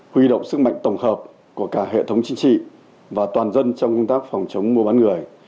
huy động sức mạnh tổng hợp của cả hệ thống chính trị và toàn dân trong công tác phòng chống mua bán người